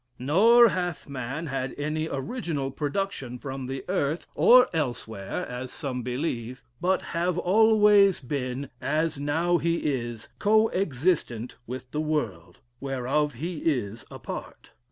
Nor hath man had any original production from the earth, or elsewhere, as some believe, but have always been, as now he is, coexistent with the world, whereof he is a part.